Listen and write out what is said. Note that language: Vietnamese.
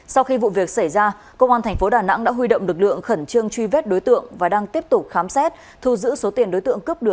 sau khi vụ việc xảy ra công an tp đà nẵng đã huy động lực lượng khẩn trương truy vết đối tượng và đang tiếp tục khám xét